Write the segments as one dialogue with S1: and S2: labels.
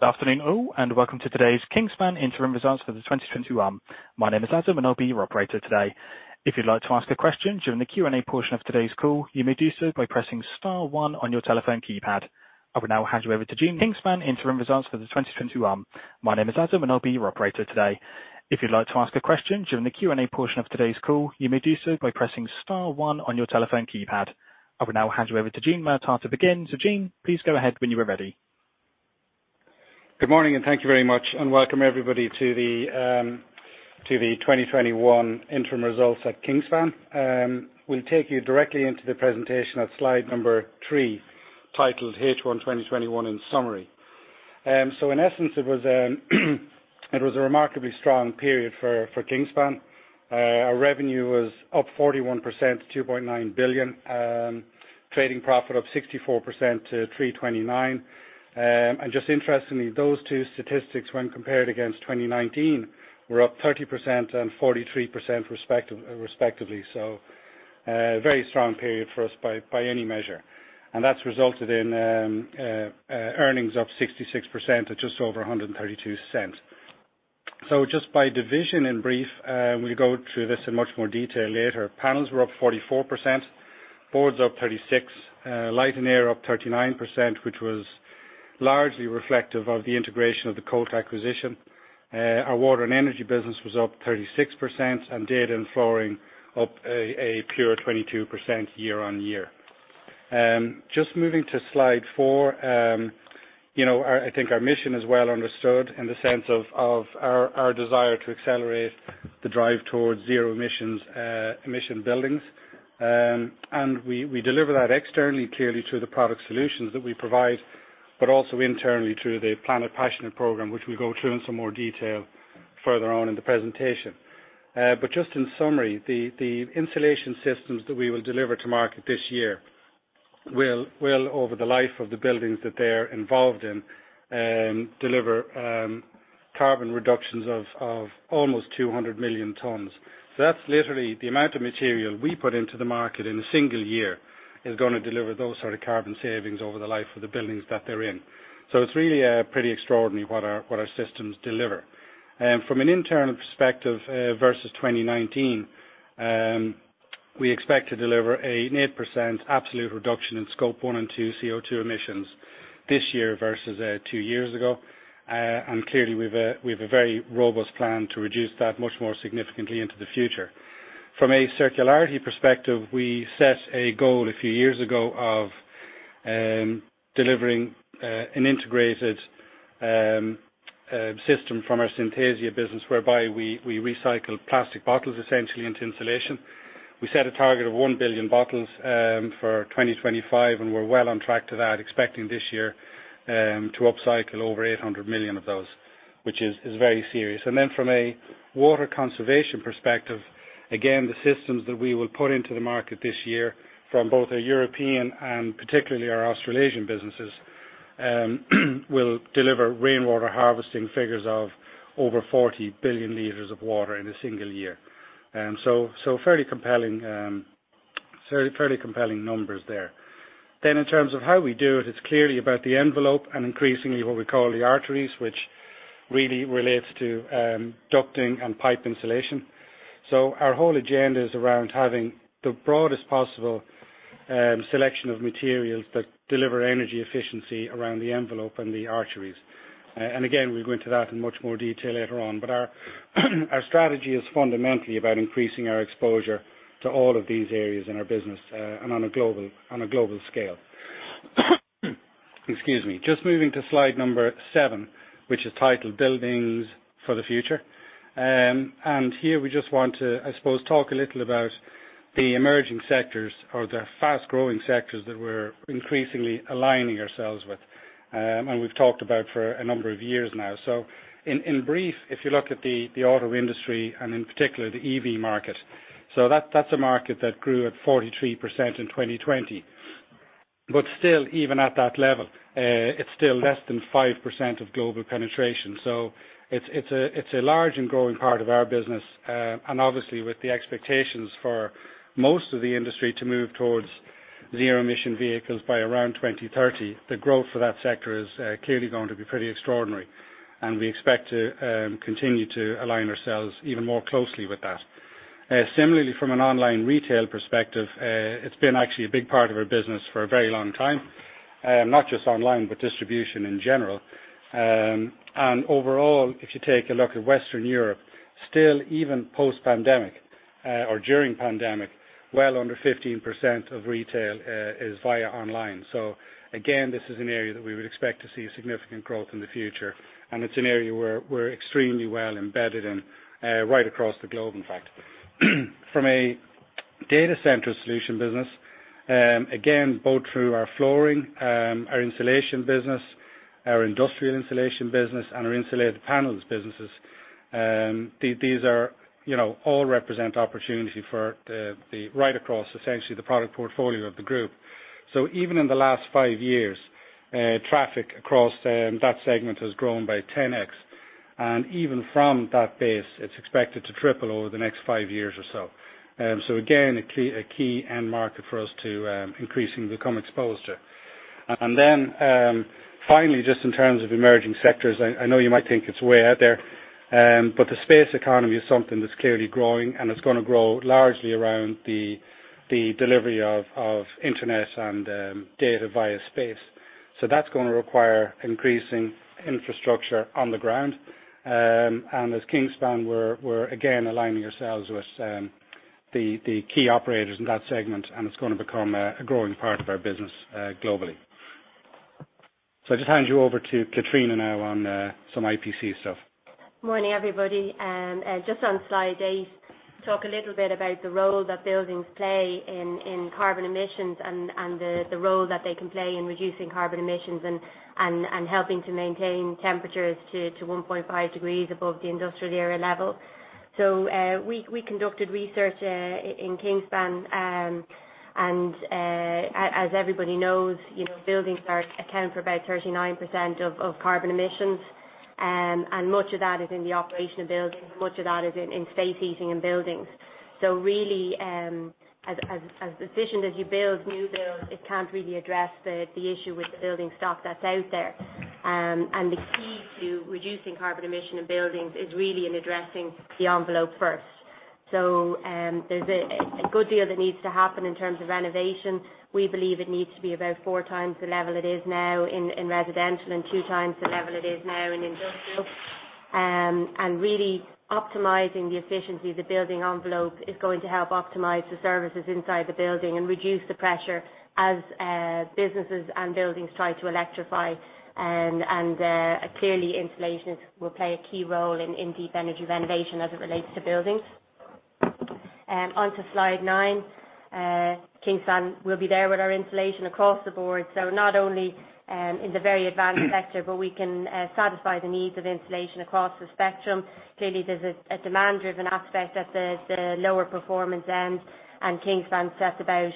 S1: Good afternoon, all, welcome to today's Kingspan interim results for 2021. My name is Adam, I'll be your operator today. If you'd like to ask a question during the Q&A portion of today's call, you may do so by pressing star one on your telephone keypad. I will now hand you over to Gene Murtagh to begin. Gene, please go ahead when you are ready.
S2: Good morning, thank you very much, and welcome everybody to the 2021 interim results at Kingspan. We will take you directly into the presentation at slide number three, titled H1 2021 in summary. In essence, it was a remarkably strong period for Kingspan. Our revenue was up 41%, to 2.9 billion. Trading profit up 64% to 329 million. Just interestingly, those two statistics when compared against 2019, were up 30% and 43% respectively. A very strong period for us by any measure. That's resulted in earnings up 66% at just over 1.32. Just by division, in brief, we will go through this in much more detail later. Panels were up 44%, Insulation up 36%, Light & Air up 39%, which was largely reflective of the integration of the Colt acquisition. Our Water & Energy business was up 36%, and Data & Flooring up a pure 22% year-on-year. Just moving to slide four. I think our mission is well understood in the sense of our desire to accelerate the drive towards zero emission buildings. We deliver that externally, clearly, through the product solutions that we provide, but also internally through the Planet Passionate Program, which we'll go through in some more detail further on in the presentation. Just in summary, the insulation systems that we will deliver to market this year will, over the life of the buildings that they're involved in, deliver carbon reductions of almost 200 million tons. That's literally the amount of material we put into the market in a single year is going to deliver those sort of carbon savings over the life of the buildings that they're in. It's really pretty extraordinary what our systems deliver. From an internal perspective, versus 2019, we expect to deliver an 8% absolute reduction in Scope 1 and two CO2 emissions this year versus two years ago. Clearly, we've a very robust plan to reduce that much more significantly into the future. From a circularity perspective, we set a goal a few years ago of delivering an integrated system from our Synthesia business, whereby we recycle plastic bottles essentially into insulation. We set a target of one billion bottles for 2025, we're well on track to that, expecting this year to upcycle over 800 million of those, which is very serious. From a water conservation perspective, again, the systems that we will put into the market this year from both a European and particularly our Australasian businesses, will deliver rainwater harvesting figures of over 40 billion liters of water in a single year. Fairly compelling numbers there. In terms of how we do it's clearly about the envelope and increasingly what we call the arteries, which really relates to ducting and pipe insulation. Our whole agenda is around having the broadest possible selection of materials that deliver energy efficiency around the envelope and the arteries. Again, we'll go into that in much more detail later on. Our strategy is fundamentally about increasing our exposure to all of these areas in our business and on a global scale. Excuse me. Just moving to slide number seven, which is titled Buildings for the Future. Here we just want to, I suppose, talk a little about the emerging sectors or the fast-growing sectors that we're increasingly aligning ourselves with, and we've talked about for a number of years now. In brief, if you look at the auto industry and in particular the EV market, that's a market that grew at 43% in 2020. Still even at that level, it's still less than 5% of global penetration. It's a large and growing part of our business. Obviously with the expectations for most of the industry to move towards zero emission vehicles by around 2030, the growth for that sector is clearly going to be pretty extraordinary, and we expect to continue to align ourselves even more closely with that. Similarly, from an online retail perspective, it's been actually a big part of our business for a very long time. Not just online, but distribution in general. Overall, if you take a look at Western Europe, still even post pandemic or during pandemic, well under 15% of retail is via online. Again, this is an area that we would expect to see significant growth in the future, and it's an area we're extremely well embedded in, right across the globe, in fact. From a data center solution business, again, both through our flooring, our insulation business, our industrial insulation business, and our insulated panels businesses, these all represent opportunity right across essentially the product portfolio of the group. Even in the last five years, traffic across that segment has grown by 10x. Even from that base, it's expected to triple over the next five years or so. Again, a key end market for us to increasingly become exposed to. Finally, just in terms of emerging sectors, I know you might think it's way out there, but the space economy is something that's clearly growing, and it's going to grow largely around the delivery of internet and data via space. That's going to require increasing infrastructure on the ground. As Kingspan, we're again aligning ourselves with the key operators in that segment, and it's going to become a growing part of our business globally. I'll just hand you over to Catriona now on some IPC stuff.
S3: Morning, everybody. Just on slide eight, talk a little bit about the role that buildings play in carbon emissions and the role that they can play in reducing carbon emissions and helping to maintain temperatures to 1.5 degrees above the industrial era level. We conducted research in Kingspan, and as everybody knows, buildings account for about 39% of carbon emissions. Much of that is in the operation of buildings, much of that is in space heating in buildings. Really, as efficient as you build new builds, it can't really address the issue with the building stock that's out there. The key to reducing carbon emission in buildings is really in addressing the envelope first. There's a good deal that needs to happen in terms of renovation. We believe it needs to be about 4x the level it is now in residential and 2x the level it is now in industrial. Really optimizing the efficiency of the building envelope is going to help optimize the services inside the building and reduce the pressure as businesses and buildings try to electrify. Clearly, insulation will play a key role in deep energy renovation as it relates to buildings. Onto slide nine. Kingspan will be there with our insulation across the board, so not only in the very advanced sector, but we can satisfy the needs of insulation across the spectrum. There's a demand-driven aspect at the lower performance end, and Kingspan set about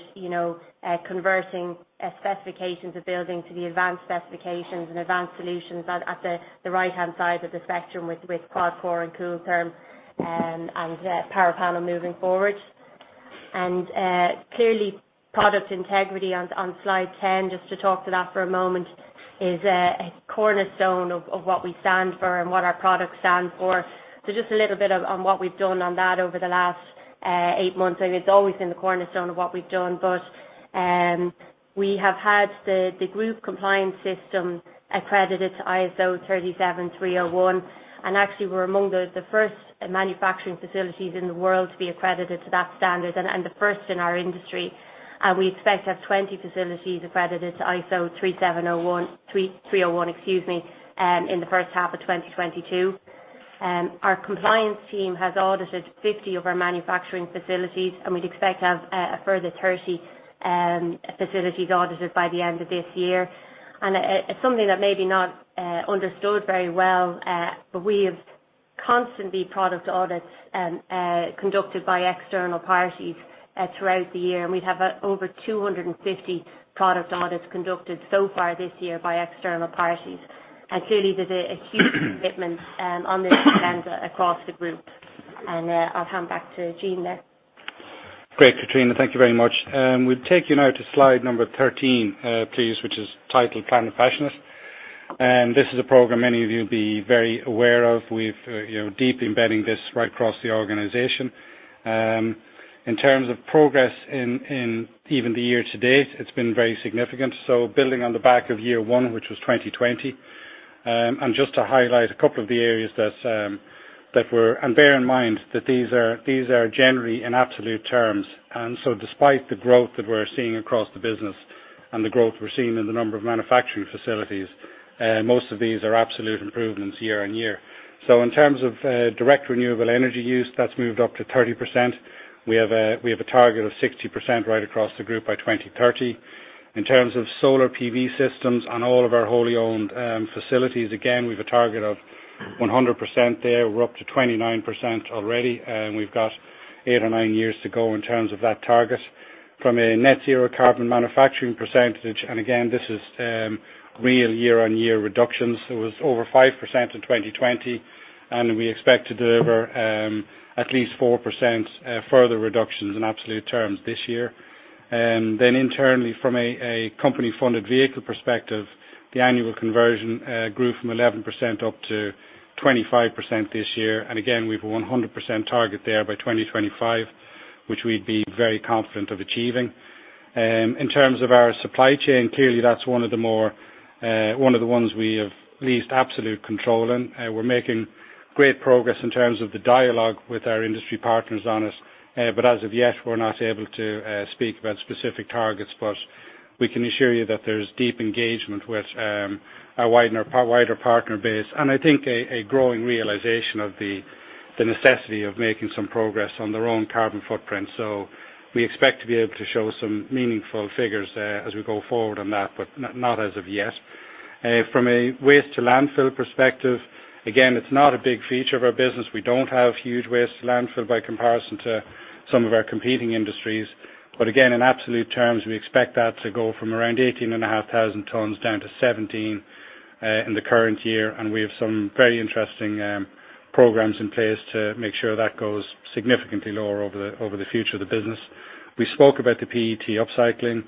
S3: converting specifications of building to the advanced specifications and advanced solutions at the right-hand side of the spectrum with QuadCore and Kooltherm, and PowerPanel moving forward. Clearly, product integrity on slide 10, just to talk to that for a moment, is a cornerstone of what we stand for and what our products stand for. Just a little bit on what we've done on that over the last eight months. It's always been the cornerstone of what we've done, we have had the group compliance system accredited to ISO 37301 and actually we're among the first manufacturing facilities in the world to be accredited to that standard and the first in our industry. We expect to have 20 facilities accredited to ISO 37301, excuse me, in the first half of 2022. Our compliance team has audited 50 of our manufacturing facilities, we'd expect to have a further 30 facilities audited by the end of this year. It's something that may be not understood very well, but we have constant product audits conducted by external parties throughout the year, and we've had over 250 product audits conducted so far this year by external parties. Clearly, there's a huge commitment on this agenda across the group. I'll hand back to Gene now.
S2: Great, Catriona. Thank you very much. We'll take you now to slide number 13, please, which is titled Planet Passionate. This is a program many of you will be very aware of. We've deep embedding this right across the organization. In terms of progress in even the year to date, it's been very significant. Building on the back of year one, which was 2020, just to highlight a couple of the areas that were, and bear in mind that these are generally in absolute terms, despite the growth that we're seeing across the business and the growth we're seeing in the number of manufacturing facilities, most of these are absolute improvements year-on-year. In terms of direct renewable energy use, that's moved up to 30%. We have a target of 60% right across the group by 2030. In terms of solar PV systems on all of our wholly owned facilities, again, we've a target of 100% there. We're up to 29% already, and we've got eight or nine years to go in terms of that target. From a net zero carbon manufacturing percentage, and again, this is real year-on-year reductions, it was over 5% in 2020, and we expect to deliver at least 4% further reductions in absolute terms this year. Internally, from a company-funded vehicle perspective, the annual conversion grew from 11% up to 25% this year. Again, we've a 100% target there by 2025, which we'd be very confident of achieving. In terms of our supply chain, clearly that's one of the ones we have least absolute control in. We're making great progress in terms of the dialogue with our industry partners on it. As of yet, we're not able to speak about specific targets, but we can assure you that there's deep engagement with our wider partner base, and I think a growing realization of the necessity of making some progress on their own carbon footprint. We expect to be able to show some meaningful figures there as we go forward on that, but not as of yet. From a waste to landfill perspective, again, it's not a big feature of our business. We don't have huge waste to landfill by comparison to some of our competing industries. Again, in absolute terms, we expect that to go from around 18,500 tons down to 17 in the current year, and we have some very interesting programs in place to make sure that goes significantly lower over the future of the business. We spoke about the PET upcycling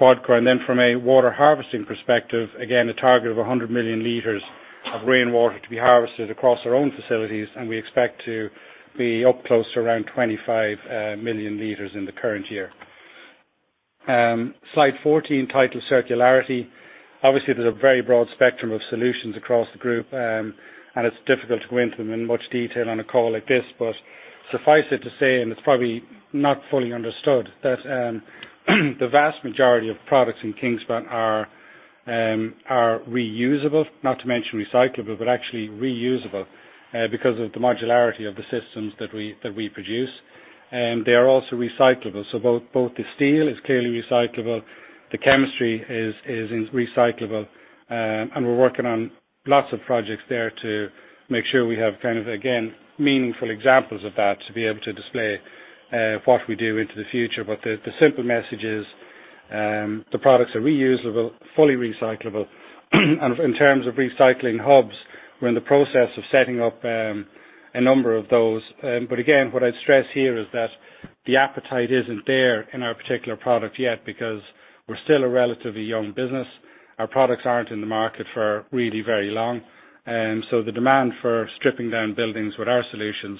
S2: QuadCore. From a water harvesting perspective, again, a target of 100 million liters of rainwater to be harvested across our own facilities, and we expect to be up close to around 25 million liters in the current year. Slide 14, titled Circularity. Obviously, there's a very broad spectrum of solutions across the group, and it's difficult to go into them in much detail on a call like this. Suffice it to say, and it's probably not fully understood, that the vast majority of products in Kingspan are reusable, not to mention recyclable, but actually reusable because of the modularity of the systems that we produce. They are also recyclable. Both the steel is clearly recyclable, the chemistry is recyclable, and we're working on lots of projects there to make sure we have kind of, again, meaningful examples of that to be able to display what we do into the future. The simple message is, the products are reusable, fully recyclable. In terms of recycling hubs, we're in the process of setting up a number of those. Again, what I'd stress here is that the appetite isn't there in our particular product yet because we're still a relatively young business. Our products aren't in the market for really very long. The demand for stripping down buildings with our solutions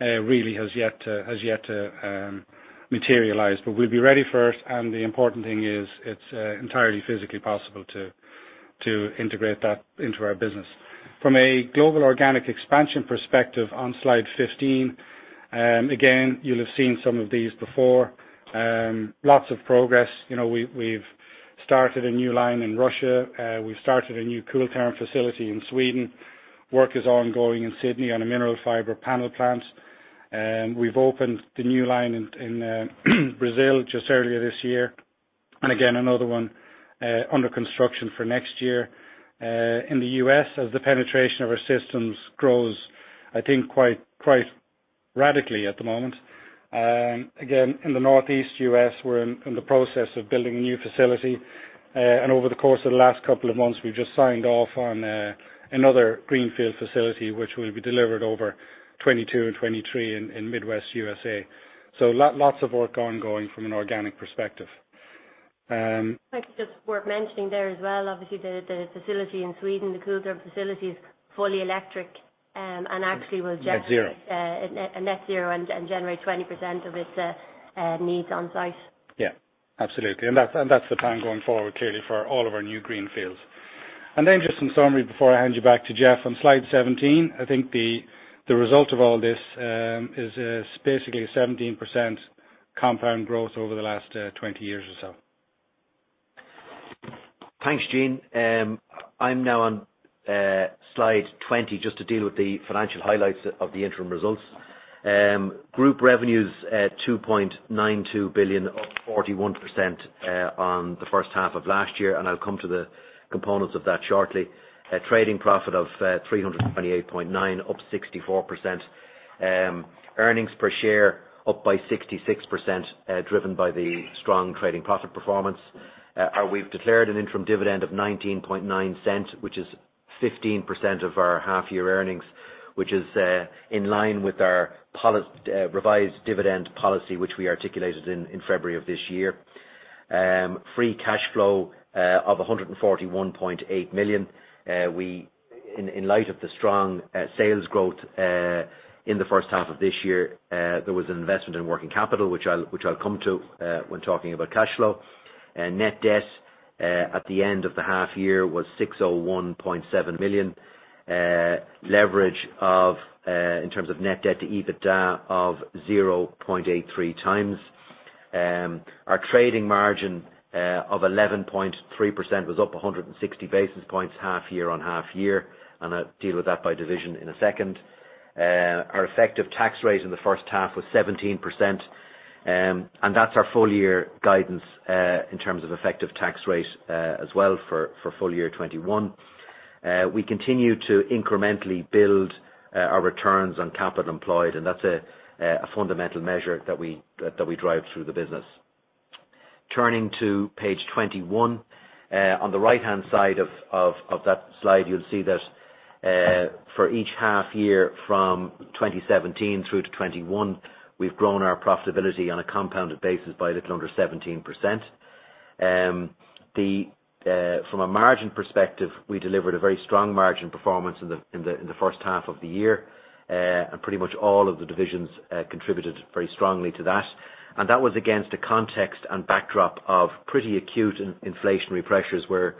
S2: really has yet to materialize. We'll be ready for it, and the important thing is it's entirely physically possible to integrate that into our business. From a global organic expansion perspective, on slide 15, again, you'll have seen some of these before. Lots of progress. We've started a new line in Russia. We've started a new Kooltherm facility in Sweden. Work is ongoing in Sydney on a mineral fiber panel plant. We've opened the new line in Brazil just earlier this year. Again, another one under construction for next year. In the U.S., as the penetration of our systems grows, I think quite radically at the moment. In the Northeast U.S., we're in the process of building a new facility. Over the course of the last couple of months, we've just signed off on another greenfield facility, which will be delivered over 2022 and 2023 in Midwest USA. Lots of work ongoing from an organic perspective.
S3: I think just worth mentioning there as well, obviously the facility in Sweden, the Kooltherm facility is fully electric.
S2: Net Zero.
S3: Net zero and generate 20% of its needs on-site.
S2: Yeah. Absolutely. That's the plan going forward, clearly for all of our new greenfields. Then just in summary, before I hand you back to Geoff, on slide 17, I think the result of all this is basically a 17% compound growth over the last 20 years or so.
S4: Thanks, Gene. I'm now on slide 20 just to deal with the financial highlights of the interim results. Group revenues at 2.92 billion, up 41% on the first half of last year. I'll come to the components of that shortly. A trading profit of 328.9 million, up 64%. Earnings per share up by 66%, driven by the strong trading profit performance. We've declared an interim dividend of 0.199, which is 15% of our half-year earnings, which is in line with our revised dividend policy, which we articulated in February of this year. Free cash flow of 141.8 million. In light of the strong sales growth in the first half of this year, there was an investment in working capital, which I'll come to when talking about cash flow. Net debt at the end of the half year was 601.7 million. Leverage of, in terms of net debt to EBITDA, of 0.83x. Our trading margin of 11.3% was up 160 basis points half-year on half-year. I'll deal with that by division in a second. Our effective tax rate in the first half was 17%, and that's our full year guidance, in terms of effective tax rate as well for full year 2021. We continue to incrementally build our returns on capital employed, and that's a fundamental measure that we drive through the business. Turning to page 21. On the right-hand side of that slide, you'll see that for each half-year from 2017 through to 2021, we've grown our profitability on a compounded basis by a little under 17%. From a margin perspective, we delivered a very strong margin performance in the first half of the year. Pretty much all of the divisions contributed very strongly to that. That was against a context and backdrop of pretty acute inflationary pressures, where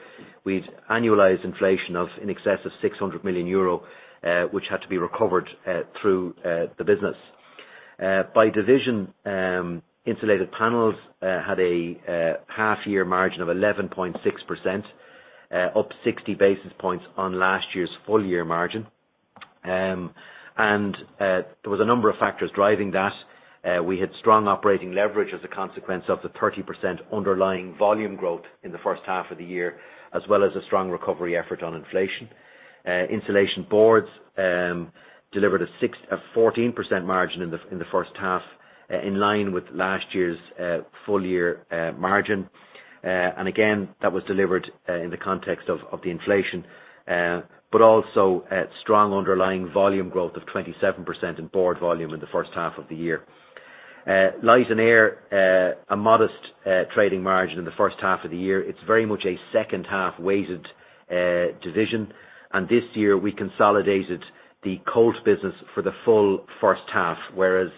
S4: we'd annualized inflation of in excess of 600 million euro, which had to be recovered through the business. By division, Insulated Panels had a half year margin of 11.6%, up 60 basis points on last year's full year margin. There was a number of factors driving that. We had strong operating leverage as a consequence of the 30% underlying volume growth in the first half of the year, as well as a strong recovery effort on inflation. Insulation boards delivered a 14% margin in the first half, in line with last year's full year margin. Again, that was delivered in the context of the inflation, but also strong underlying volume growth of 27% in board volume in the first half of the year. Light + Air, a modest trading margin in the first half of the year. It's very much a second half-weighted division. This year we consolidated the Colt business for the full first half, whereas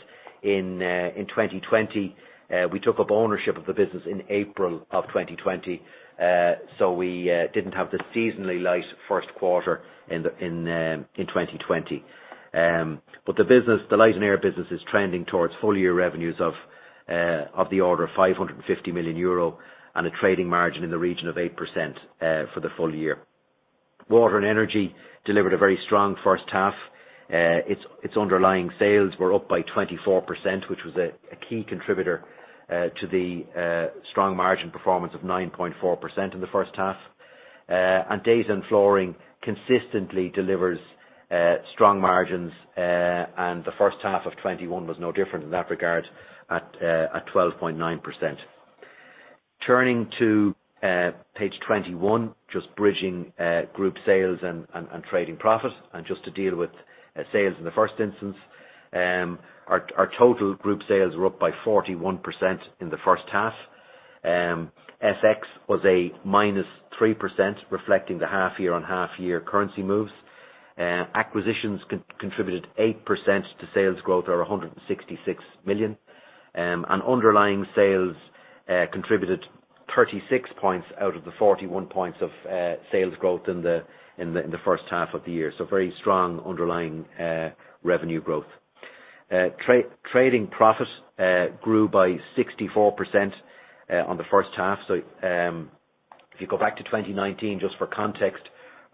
S4: in 2020, we took up ownership of the business in April of 2020, we didn't have the seasonally light first quarter in 2020. The Light + Air business is trending towards full-year revenues of the order of 550 million euro and a trading margin in the region of 8% for the full year. Water & Energy delivered a very strong first half. Its underlying sales were up by 24%, which was a key contributor to the strong margin performance of 9.4% in the first half. Data & Flooring consistently delivers strong margins, the first half of 2021 was no different in that regard at 12.9%. Turning to page 21, just bridging group sales and trading profit, and just to deal with sales in the first instance. Our total group sales were up by 41% in the first half. FX was a minus 3%, reflecting the half year on half year currency moves. Acquisitions contributed 8% to sales growth or 166 million. Underlying sales contributed 36 points out of the 41 points of sales growth in the first half of the year. Very strong underlying revenue growth. Trading profit grew by 64% on the first half. If you go back to 2019, just for context,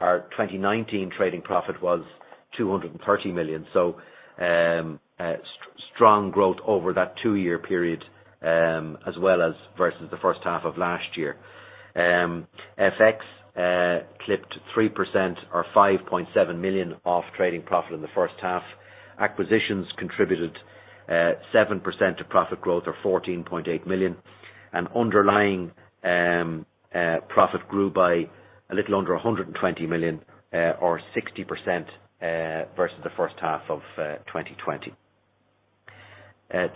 S4: our 2019 trading profit was 230 million. Strong growth over that two-year period, as well as versus the first half of last year. FX clipped 3% or 5.7 million off trading profit in the first half. Acquisitions contributed 7% of profit growth of 14.8 million, and underlying profit grew by a little under 120 million or 60% versus the first half of 2020.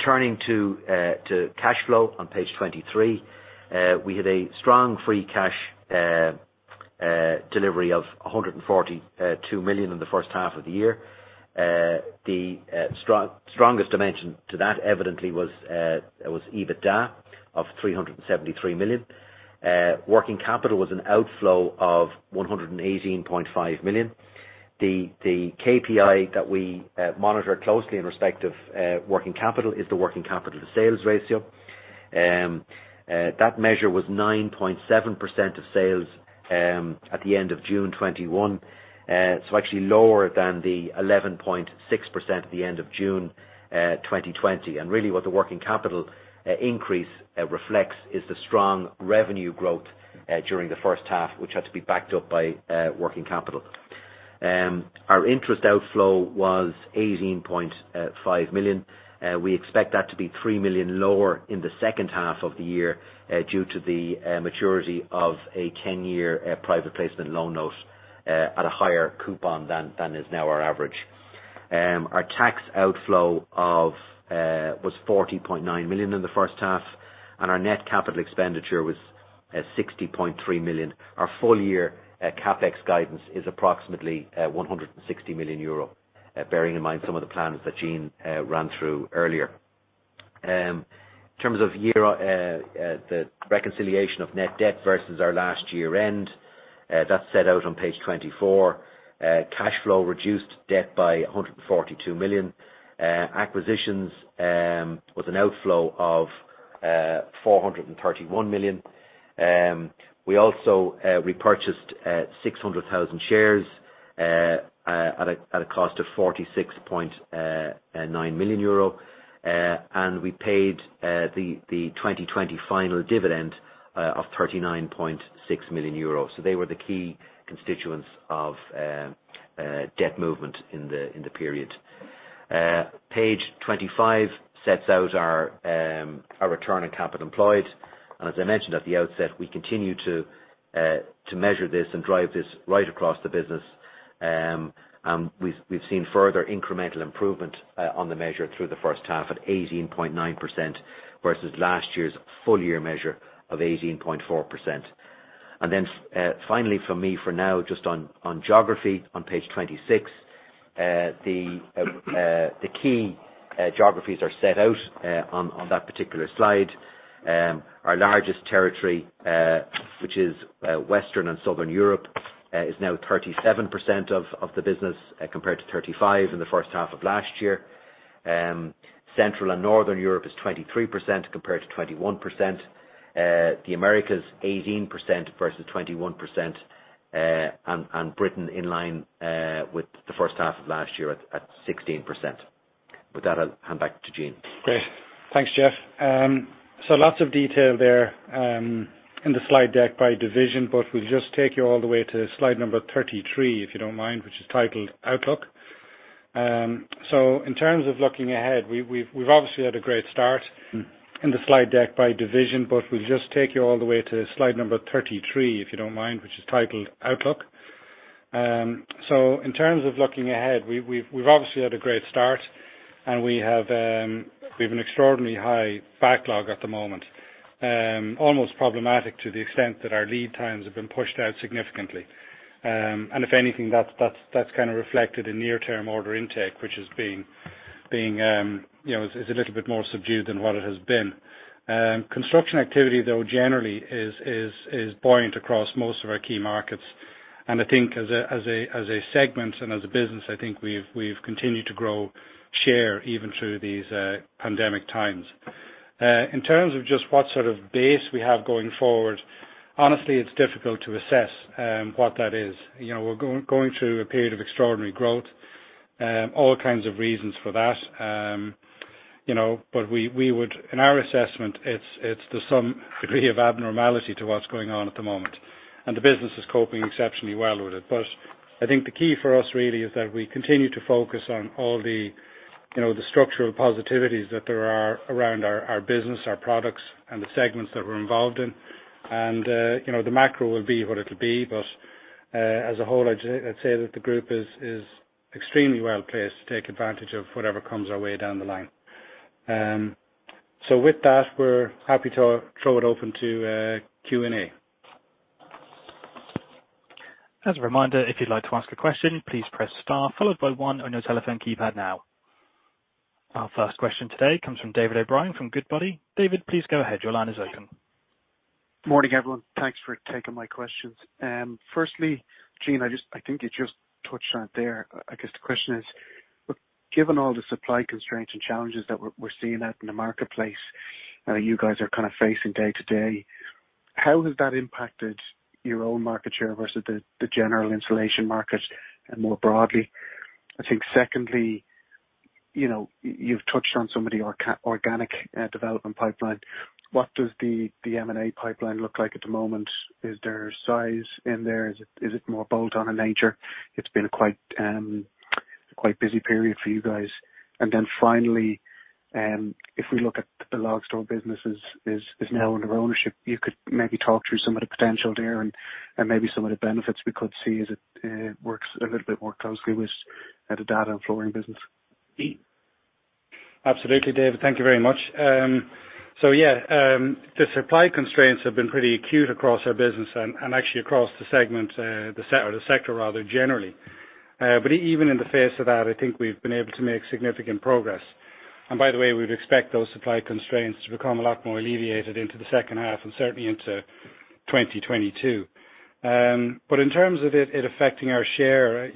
S4: Turning to cash flow on page 23. We had a strong free cash delivery of 142 million in the first half of the year. The strongest dimension to that evidently was EBITDA of 373 million. Working capital was an outflow of 118.5 million. The KPI that we monitor closely in respect of working capital is the working capital to sales ratio. That measure was 9.7% of sales at the end of June 2021. Actually lower than the 11.6% at the end of June 2020. Really what the working capital increase reflects is the strong revenue growth during the first half, which had to be backed up by working capital. Our interest outflow was 18.5 million. We expect that to be 3 million lower in the second half of the year due to the maturity of a 10-year private placement loan note at a higher coupon than is now our average. Our tax outflow was 40.9 million in the first half, and our net CapEx was 60.3 million. Our full year CapEx guidance is approximately €160 million, bearing in mind some of the plans that Gene ran through earlier. In terms of the reconciliation of net debt versus our last year-end, that's set out on page 24. Cash flow reduced debt by 142 million. Acquisitions was an outflow of 431 million. We also repurchased 600,000 shares at a cost of €46.9 million, and we paid the 2020 final dividend of €39.6 million. They were the key constituents of debt movement in the period. Page 25 sets out our return on capital employed. As I mentioned at the outset, we continue to measure this and drive this right across the business. We've seen further incremental improvement on the measure through the first half at 18.9% versus last year's full year measure of 18.4%. Finally from me for now, just on geography on page 26. The key geographies are set out on that particular slide. Our largest territory, which is Western and Southern Europe, is now 37% of the business compared to 35% in the first half of last year. Central and Northern Europe is 23% compared to 21%. The Americas, 18% versus 21%, and Britain in line with the first half of last year at 16%. With that, I'll hand back to Gene.
S2: Great. Thanks, Geoff. Lots of detail there in the slide deck by division, but we'll just take you all the way to slide 33, if you don't mind, which is titled Outlook. In terms of looking ahead, we've obviously had a great start, and we have an extraordinarily high backlog at the moment. Almost problematic to the extent that our lead times have been pushed out significantly. If anything, that's kind of reflected in near-term order intake, which is a little bit more subdued than what it has been. Construction activity, though, generally is buoyant across most of our key markets. I think as a segment and as a business, I think we've continued to grow share even through these pandemic times. In terms of just what sort of base we have going forward, honestly, it's difficult to assess what that is. We're going through a period of extraordinary growth, all kinds of reasons for that. In our assessment, it's the sum degree of abnormality to what's going on at the moment, and the business is coping exceptionally well with it. I think the key for us really is that we continue to focus on all the structural positivities that there are around our business, our products, and the segments that we're involved in. The macro will be what it'll be, but as a whole, I'd say that the group is extremely well-placed to take advantage of whatever comes our way down the line. With that, we're happy to throw it open to Q&A.
S1: Our first question today comes from David O'Brien from Goodbody. David, please go ahead. Your line is open.
S5: Morning, everyone. Thanks for taking my questions. Gene, I think you just touched on it there. I guess the question is, given all the supply constraints and challenges that we're seeing out in the marketplace, you guys are kind of facing day-to-day, how has that impacted your own market share versus the general Insulation market and more broadly? You've touched on some of the organic development pipeline. What does the M&A pipeline look like at the moment? Is there size in there? Is it more bolt-on in nature? It's been a quite busy period for you guys. Finally, if we look at the Logstor business is now under ownership, you could maybe talk through some of the potential there and maybe some of the benefits we could see as it works a little bit more closely with the Data & Flooring business.
S2: Absolutely, David. Thank you very much. Yeah, the supply constraints have been pretty acute across our business and actually across the sector generally. Even in the face of that, I think we've been able to make significant progress. By the way, we'd expect those supply constraints to become a lot more alleviated into the second half and certainly into 2022. In terms of it affecting our share,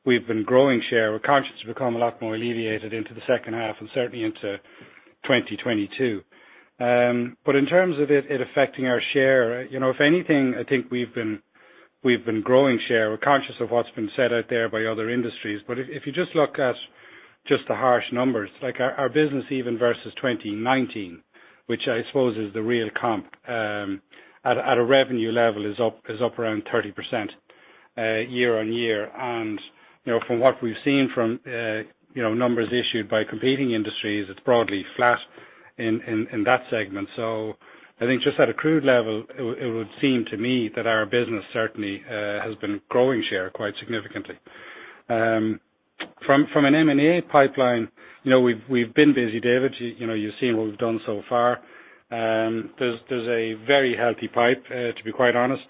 S2: if anything, I think we've been growing share. We're conscious of what's been said out there by other industries. If you just look at just the harsh numbers, like our business even versus 2019, which I suppose is the real comp, at a revenue level is up around 30% year-on-year. From what we've seen from numbers issued by competing industries, it's broadly flat in that segment. I think just at a crude level, it would seem to me that our business certainly has been growing share quite significantly. From an M&A pipeline, we've been busy, David. You've seen what we've done so far. There's a very healthy pipe, to be quite honest,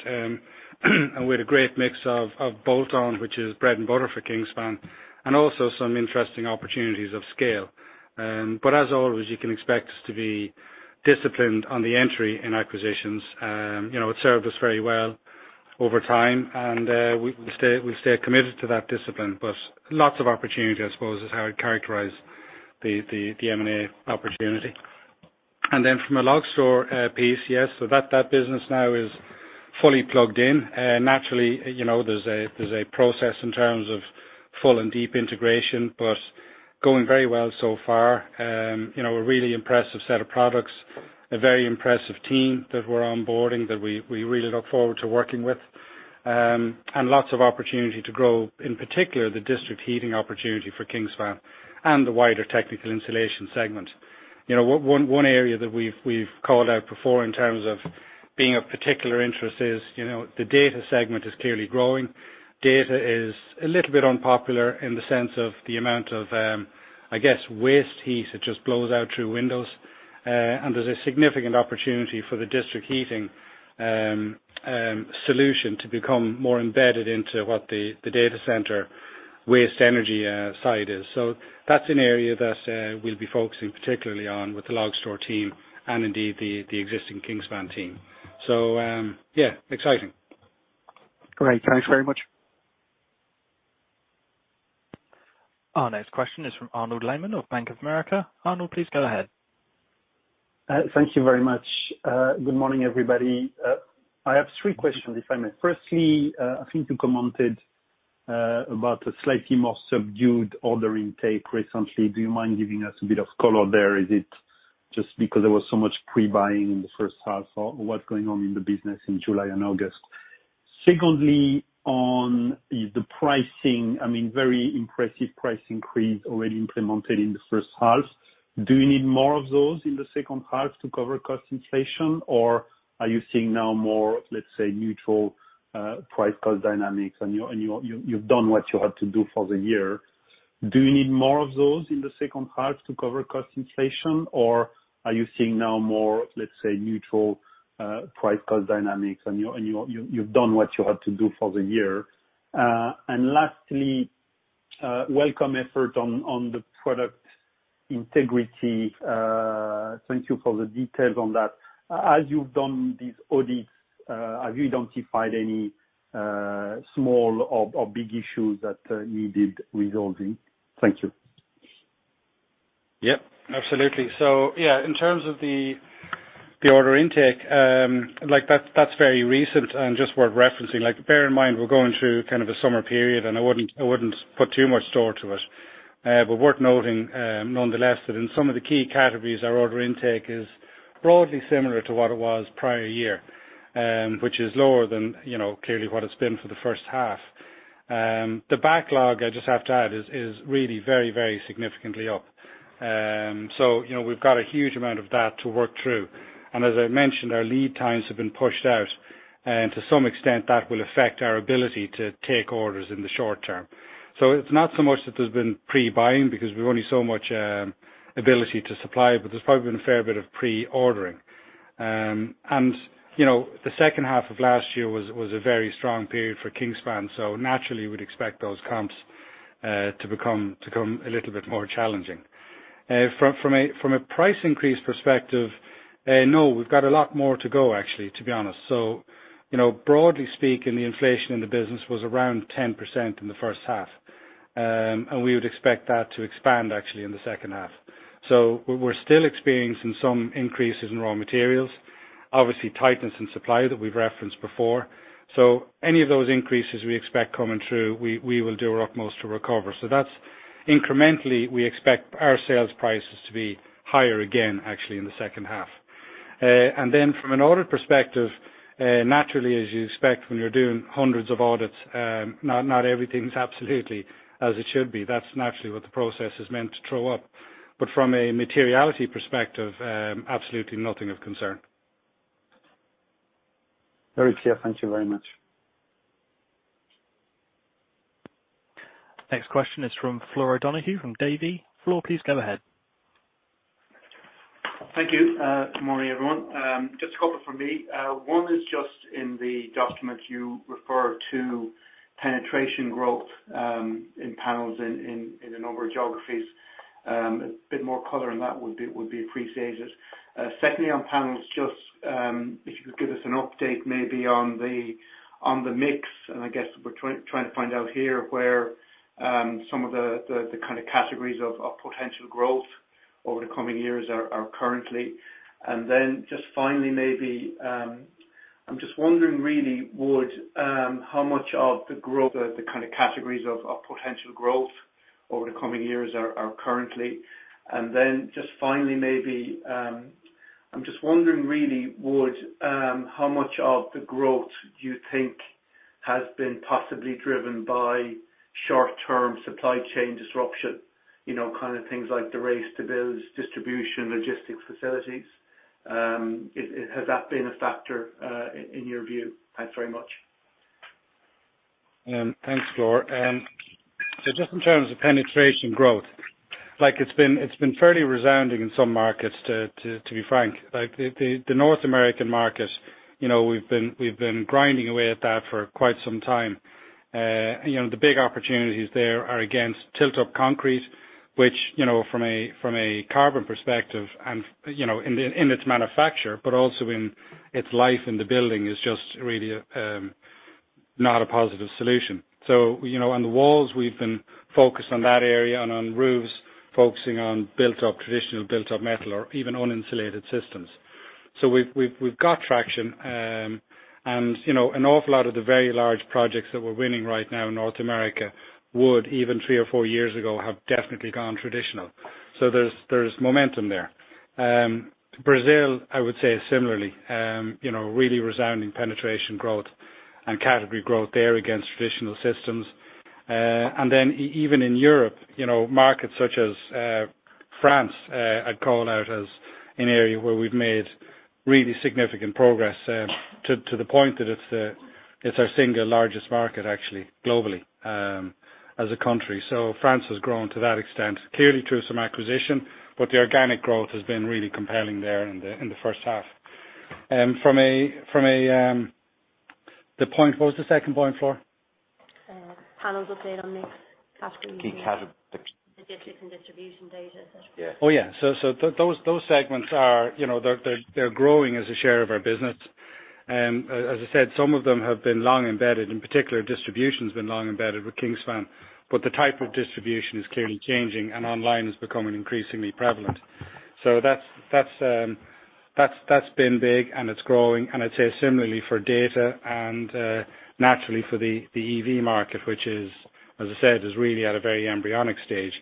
S2: and with a great mix of bolt-on, which is bread and butter for Kingspan, and also some interesting opportunities of scale. As always, you can expect us to be disciplined on the entry in acquisitions. It's served us very well over time, and we stay committed to that discipline. Lots of opportunity, I suppose, is how I'd characterize the M&A opportunity. From a Logstor piece, yes, so that business now is fully plugged in. Naturally, there's a process in terms of full and deep integration, but going very well so far. A really impressive set of products, a very impressive team that we're onboarding that we really look forward to working with, and lots of opportunity to grow, in particular, the district heating opportunity for Kingspan and the wider technical insulation segment. One area that we've called out before in terms of being of particular interest is the data segment is clearly growing. Data is a little bit unpopular in the sense of the amount of, I guess, waste heat it just blows out through windows. There's a significant opportunity for the district heating solution to become more embedded into what the data center waste energy side is. That's an area that we'll be focusing particularly on with the Logstor team and indeed the existing Kingspan team. Yeah, exciting.
S5: Great. Thanks very much.
S1: Our next question is from Arnaud Lehmann of Bank of America. Arnaud, please go ahead.
S6: Thank you very much. Good morning, everybody. I have three questions if I may. Firstly, I think you commented about a slightly more subdued order intake recently. Do you mind giving us a bit of color there? Is it just because there was so much pre-buying in the first half, or what's going on in the business in July and August? Secondly, on the pricing, very impressive price increase already implemented in the first half. Do you need more of those in the second half to cover cost inflation or are you seeing now more, let's say, neutral price call dynamics and you've done what you had to do for the year? Do you need more of those in the second half to cover cost inflation or are you seeing now more, let's say, neutral price call dynamics and you've done what you had to do for the year? Lastly, welcome effort on the product integrity. Thank you for the details on that. As you've done these audits, have you identified any small or big issues that needed resolving? Thank you.
S2: Yep, absolutely. Yeah, in terms of the order intake, that's very recent and just worth referencing. Bear in mind, we're going through kind of a summer period, and I wouldn't put too much store to it. Worth noting, nonetheless, that in some of the key categories, our order intake is broadly similar to what it was prior year, which is lower than clearly what it's been for the first half. The backlog, I just have to add, is really very significantly up. We've got a huge amount of that to work through. As I mentioned, our lead times have been pushed out. To some extent that will affect our ability to take orders in the short term. It's not so much that there's been pre-buying because we've only so much ability to supply, but there's probably been a fair bit of pre-ordering. The second half of last year was a very strong period for Kingspan, naturally, we'd expect those comps to become a little bit more challenging. From a price increase perspective, no, we've got a lot more to go actually, to be honest. Broadly speaking, the inflation in the business was around 10% in the first half, and we would expect that to expand actually in the second half. We're still experiencing some increases in raw materials, obviously tightness in supply that we've referenced before. Any of those increases we expect coming through, we will do our utmost to recover. That's incrementally we expect our sales prices to be higher again, actually, in the second half. Then from an audit perspective, naturally, as you expect when you're doing hundreds of audits, not everything's absolutely as it should be. That's naturally what the process is meant to throw up. From a materiality perspective, absolutely nothing of concern.
S6: Very clear. Thank you very much.
S1: Next question is from Flor O'Donoghue from Davy. Flor, please go ahead.
S7: Thank you. Good morning, everyone. Just a couple from me. One is just in the documents you refer to penetration growth in panels in a number of geographies. A bit more color on that would be appreciated. Secondly, on panels, if you could give us an update maybe on the mix, I guess we're trying to find out here where some of the kind of categories of potential growth over the coming years are currently. Just finally maybe, I'm just wondering really, how much of the growth do you think has been possibly driven by short-term supply chain disruption, kind of things like the race to build distribution logistics facilities. Has that been a factor in your view? Thanks very much.
S2: Thanks, Flor. Just in terms of penetration growth, it's been fairly resounding in some markets, to be frank. The North American market, we've been grinding away at that for quite some time. The big opportunities there are against tilt-up concrete, which from a carbon perspective and in its manufacture but also in its life in the building, is just really not a positive solution. On the walls, we've been focused on that area and on roofs, focusing on traditional built-up metal or even uninsulated systems. We've got traction, and an awful lot of the very large projects that we're winning right now in North America would, even three or four years ago, have definitely gone traditional. Brazil, I would say similarly, really resounding penetration growth and category growth there against traditional systems. Even in Europe, markets such as France, I'd call out as an area where we've made really significant progress to the point that it's our single largest market actually globally as a country. France has grown to that extent, clearly through some acquisition, but the organic growth has been really compelling there in the first half. What was the second point, Flor?
S3: Panels update on mix category.
S2: Key category.
S3: The logistics and distribution data.
S2: Oh, yeah. Those segments, they're growing as a share of our business. And as I said, some of them have been long embedded, in particular distribution's been long embedded with Kingspan, but the type of distribution is clearly changing, and online is becoming increasingly prevalent. That's been big, and it's growing. I'd say similarly for Data and naturally for the EV market, which as I said, is really at a very embryonic stage,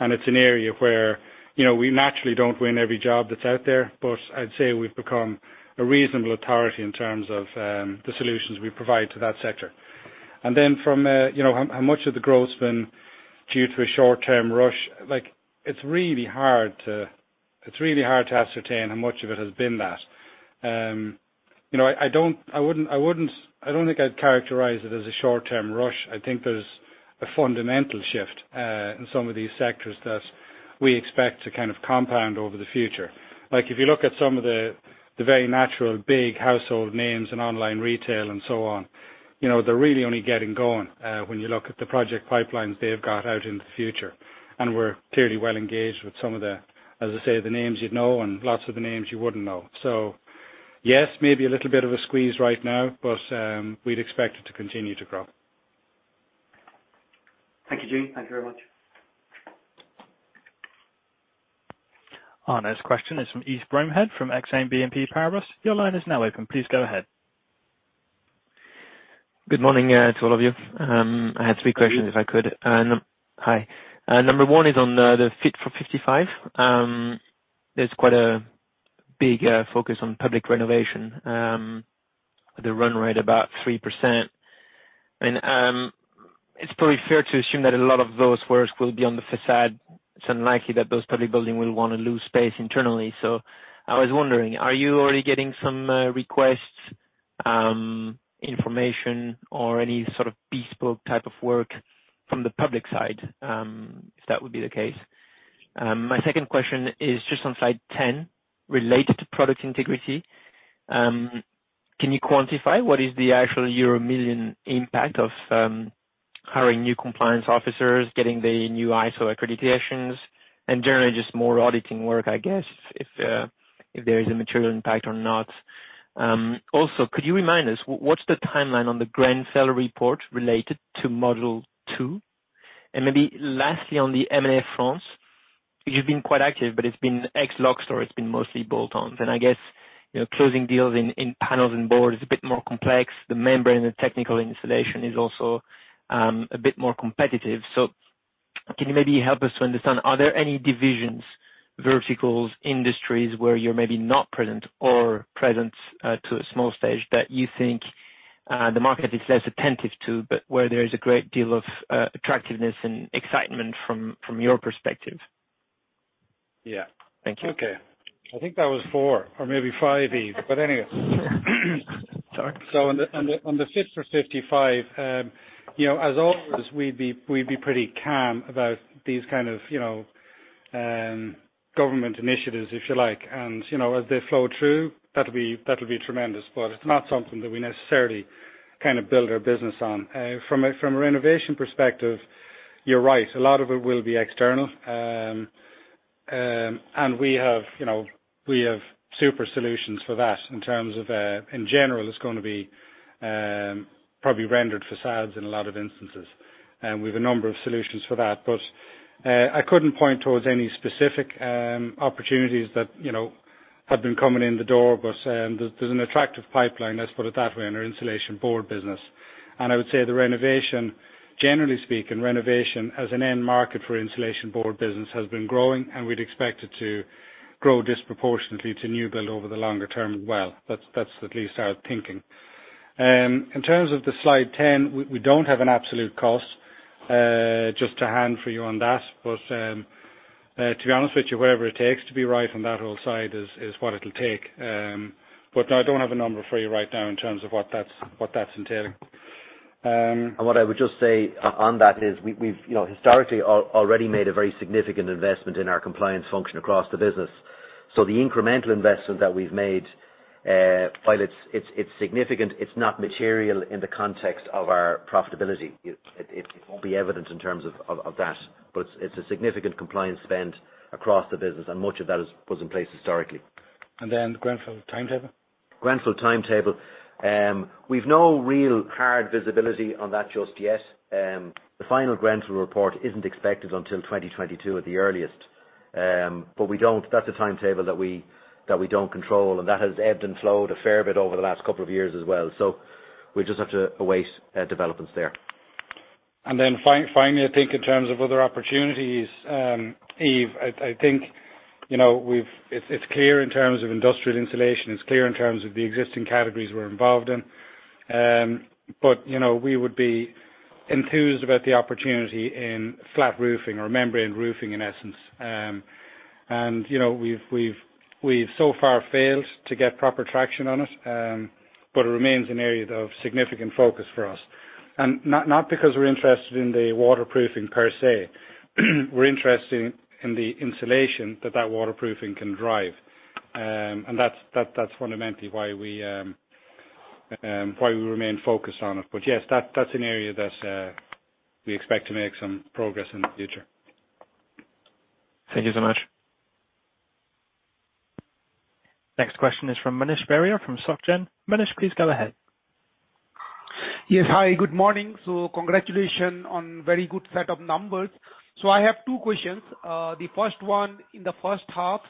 S2: and it's an area where we naturally don't win every job that's out there. I'd say we've become a reasonable authority in terms of the solutions we provide to that sector. From how much of the growth's been due to a short-term rush, it's really hard to ascertain how much of it has been that. I don't think I'd characterize it as a short-term rush. I think there's a fundamental shift in some of these sectors that we expect to kind of compound over the future. If you look at some of the very natural, big household names in online retail and so on, they're really only getting going, when you look at the project pipelines they've got out into the future. We're clearly well engaged with some of the, as I say, the names you'd know and lots of the names you wouldn't know. Yes, maybe a little bit of a squeeze right now, but we'd expect it to continue to grow.
S7: Thank you, Gene. Thank you very much.
S1: Our next question is from Yves Bromehead from Exane BNP Paribas. Your line is now open. Please go ahead.
S8: Good morning to all of you. I had three questions, if I could.
S2: Good morning.
S8: Hi. Number one is on the Fit for 55. There's quite a big focus on public renovation, with a run rate about 3%. It's probably fair to assume that a lot of those works will be on the facade. It's unlikely that those public building will want to lose space internally. I was wondering, are you already getting some requests, information or any sort of bespoke type of work from the public side, if that would be the case? My second question is just on slide 10, related to product integrity. Can you quantify what is the actual euro million impact of hiring new compliance officers, getting the new ISO accreditations, and generally just more auditing work, I guess, if there is a material impact or not? Also, could you remind us what's the timeline on the Grenfell report related to module two? Maybe lastly, on the M&A fronts, you've been quite active, but it's been ex Logstor, it's been mostly bolt-ons. I guess closing deals in panels and boards is a bit more complex. The membrane and technical insulation is also a bit more competitive. Can you maybe help us to understand, are there any divisions, verticals, industries where you're maybe not present or present to a small stage that you think the market is less attentive to, but where there is a great deal of attractiveness and excitement from your perspective?
S2: Yeah.
S8: Thank you.
S2: Okay. I think that was four or maybe five, Yves. Anyway.
S8: Sure. Sorry.
S2: On the Fit for 55, as always, we'd be pretty calm about these kind of government initiatives, if you like. As they flow through, that'll be tremendous. It's not something that we necessarily kind of build our business on. From a renovation perspective, you're right. A lot of it will be external. We have super solutions for that in terms of, in general, it's going to be probably rendered facades in a lot of instances. We've a number of solutions for that. I couldn't point towards any specific opportunities that have been coming in the door. There's an attractive pipeline, let's put it that way, in our insulation board business. I would say the renovation, generally speaking, renovation as an end market for insulation board business has been growing, and we'd expect it to grow disproportionately to new build over the longer term as well. That's at least our thinking. In terms of the slide 10, we don't have an absolute cost, just to hand for you on that. To be honest with you, whatever it takes to be right on that whole side is what it'll take. No, I don't have a number for you right now in terms of what that's entailing.
S4: What I would just say on that is we've historically already made a very significant investment in our compliance function across the business. The incremental investment that we've made, while it's significant, it's not material in the context of our profitability. It won't be evident in terms of that. It's a significant compliance spend across the business, and much of that was in place historically.
S2: The Grenfell timetable.
S4: Grenfell timetable. We've no real hard visibility on that just yet. The final Grenfell report isn't expected until 2022 at the earliest. That's a timetable that we don't control, and that has ebbed and flowed a fair bit over the last couple of years as well. We just have to await developments there.
S2: Finally, I think in terms of other opportunities, Yves, I think it's clear in terms of industrial insulation, it's clear in terms of the existing categories we're involved in. We would be enthused about the opportunity in flat roofing or membrane roofing, in essence. We've so far failed to get proper traction on it. It remains an area of significant focus for us. Not because we're interested in the waterproofing per se. We're interested in the insulation that that waterproofing can drive. That's fundamentally why we remain focused on it. Yes, that's an area that we expect to make some progress in the future. Thank you so much.
S1: Next question is from Manish Beria from SocGen. Manish, please go ahead.
S9: Yes. Hi, good morning. Congratulations on a very good set of numbers. I have two questions. The 1st one, in the first half,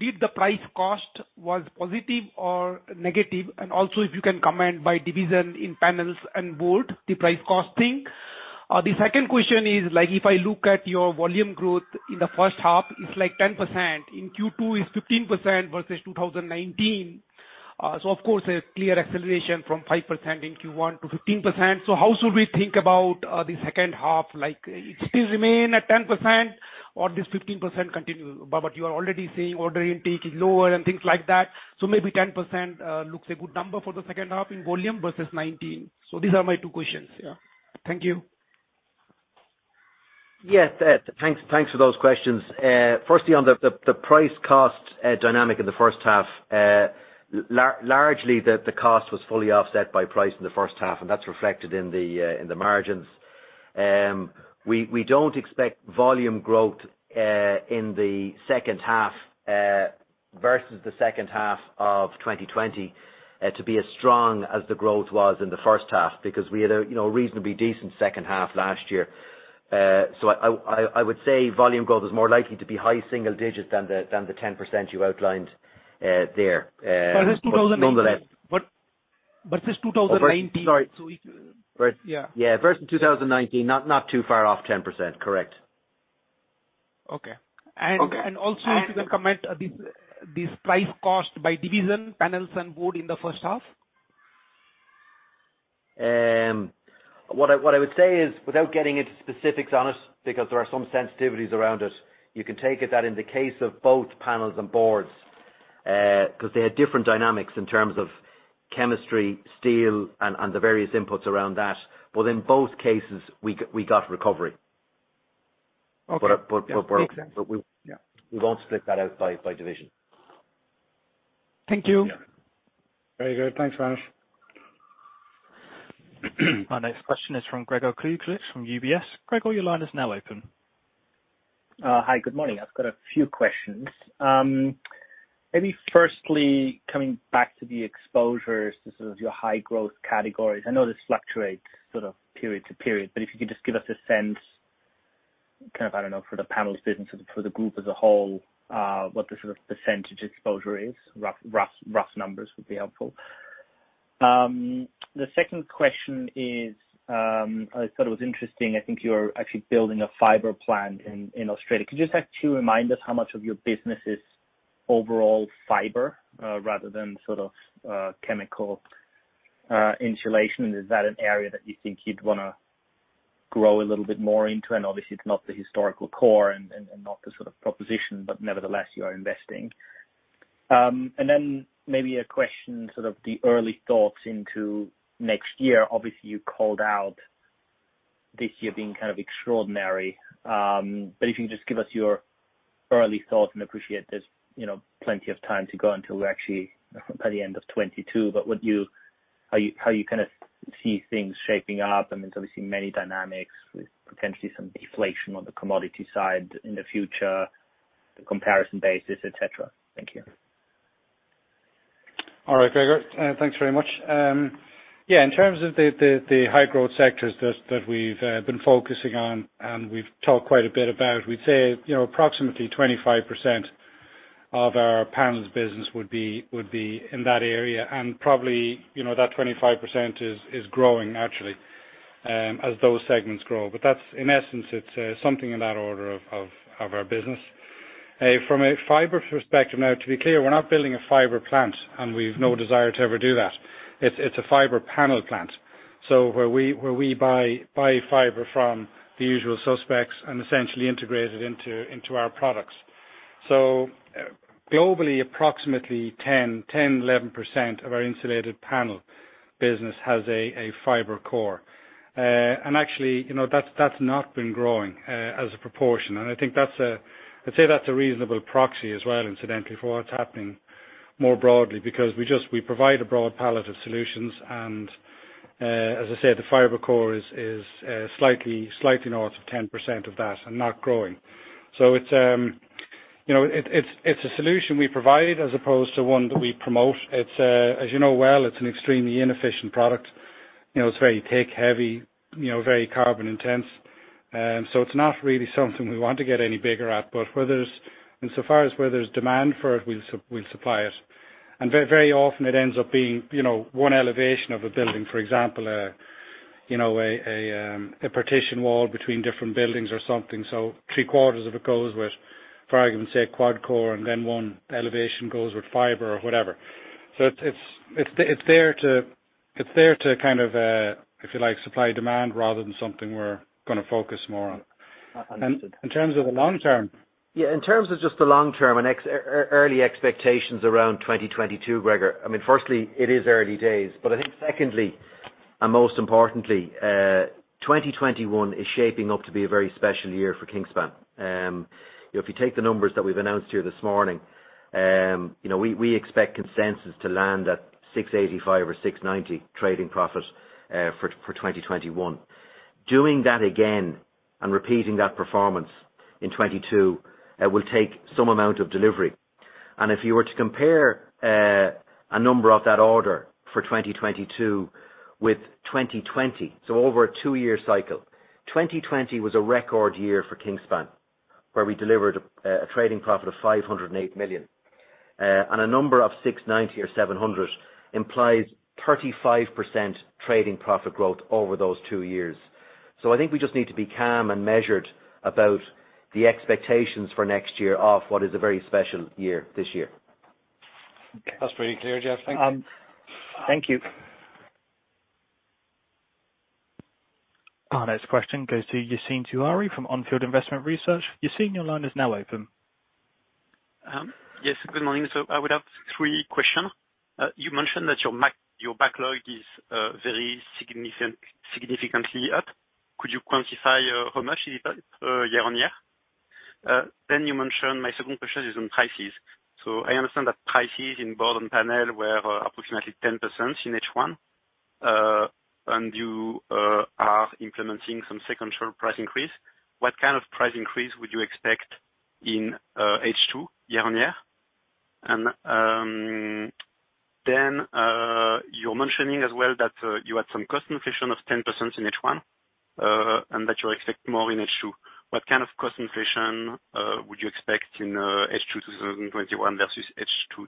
S9: did the price-cost was positive or negative? Also, if you can comment by division in Panels and Board, the price-costing. The second question is, if I look at your volume growth in the first half, it's 10%. In Q2, it's 15% versus 2019. Of course, a clear acceleration from 5% in Q1 to 15%. How should we think about the second half? It still remain at 10% or this 15% continue? What you are already saying, order intake is lower and things like that. Maybe 10% looks a good number for the second half in volume versus 2019. These are my two questions. Yeah. Thank you.
S4: Yes. Thanks for those questions. Firstly, on the price cost dynamic in the first half. Largely, the cost was fully offset by price in the first half. That's reflected in the margins. We don't expect volume growth in the second half, versus the second half of 2020, to be as strong as the growth was in the first half, because we had a reasonably decent second half last year. I would say volume growth is more likely to be high single digits than the 10% you outlined there.
S9: Versus 2019.
S4: Nonetheless.
S9: Versus 2019.
S4: Sorry.
S9: Yeah.
S4: Yeah. Versus 2019, not too far off 10%. Correct.
S9: Okay.
S4: Okay.
S9: Also if you can comment this price cost by division, Insulated Panels and Insulation in the first half?
S4: What I would say is, without getting into specifics on it, because there are some sensitivities around it, you can take it that in the case of both panels and boards, because they had different dynamics in terms of chemistry, steel, and the various inputs around that. In both cases, we got recovery.
S9: Okay.
S4: We won't split that out by division.
S9: Thank you.
S2: Very good. Thanks, Manish.
S1: Our next question is from Gregor Kuglitsch from UBS. Gregor, your line is now open.
S10: Hi, good morning. I've got a few questions. Maybe firstly coming back to the exposures to sort of your high growth categories. I know this fluctuates sort of period to period, but if you could just give us a sense kind of, I don't know, for the panels business or for the group as a whole, what the sort of percentage exposure is. Rough numbers would be helpful. The second question is, I thought it was interesting, I think you're actually building a fiber plant in Australia. Could you just actually remind us how much of your business is overall fiber, rather than sort of chemical insulation? Is that an area that you think you'd want to grow a little bit more into? Obviously it's not the historical core and not the sort of proposition, but nevertheless, you are investing. Maybe a question, sort of the early thoughts into next year. Obviously, you called out this year being kind of extraordinary. If you can just give us your early thoughts, and appreciate there's plenty of time to go until we're actually by the end of 2022, but how you kind of see things shaping up. I mean, there's obviously many dynamics with potentially some deflation on the commodity side in the future, the comparison basis, et cetera. Thank you.
S2: All right, Gregor. Thanks very much. Yeah, in terms of the high growth sectors that we've been focusing on, and we've talked quite a bit about, we'd say approximately 25% of our panels business would be in that area. Probably, that 25% is growing naturally, as those segments grow. That's in essence, it's something in that order of our business. From a fiber perspective now, to be clear, we're not building a fiber plant, and we've no desire to ever do that. It's a fiber panel plant. Where we buy fiber from the usual suspects and essentially integrate it into our products. Globally, approximately 10%, 11% of our insulated panel business has a fiber core. Actually, that's not been growing as a proportion. I'd say that's a reasonable proxy as well, incidentally, for what's happening more broadly because we provide a broad palette of solutions, and as I said, the fiber core is slightly north of 10% of that and not growing. It's a solution we provide as opposed to one that we promote. As you know well, it's an extremely inefficient product. It's very tech heavy, very carbon intense. It's not really something we want to get any bigger at. Insofar as where there's demand for it, we'll supply it. Very often it ends up being one elevation of a building, for example, a partition wall between different buildings or something. Three quarters of it goes with, for argument's sake, QuadCore, and then one elevation goes with fiber or whatever. It's there to kind of, if you like, supply demand rather than something we're going to focus more on.
S10: Understood.
S2: In terms of the long term.
S4: Yeah, in terms of just the long term and early expectations around 2022, Gregor. I mean, firstly, it is early days, but I think secondly, and most importantly, 2021 is shaping up to be a very special year for Kingspan. If you take the numbers that we've announced here this morning, we expect consensus to land at 685 or 690 trading profit for 2021. Doing that again and repeating that performance in 2022 will take some amount of delivery. If you were to compare a number of that order for 2022 with 2020, so over a two-year cycle, 2020 was a record year for Kingspan, where we delivered a trading profit of 508 million. A number of 690 or 700 implies 35% trading profit growth over those two years. I think we just need to be calm and measured about the expectations for next year of what is a very special year this year.
S2: That's pretty clear, Geoff. Thank you.
S4: Thank you.
S1: Our next question goes to Yassine Touahri from On Field Investment Research. Yassine, your line is now open.
S11: Yes, good morning. I would have three questions. You mentioned that your backlog is very significantly up. Could you quantify how much it is year-on-year? You mentioned my second question is on prices. I understand that prices in board and panel were approximately 10% in H1, and you are implementing some second quarter price increase. What kind of price increase would you expect in H2 year-on-year? You're mentioning as well that you had some cost inflation of 10% in H1, and that you expect more in H2. What kind of cost inflation would you expect in H2 2021 versus H2